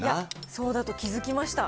そうだと気付きました。